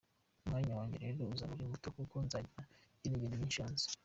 Umwanya wanjye rero uzaba ari muto kuko nzajya ngira ingendo nyinshi hanze.